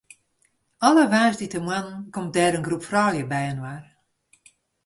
Alle woansdeitemoarnen komt dêr in groep froulju byinoar.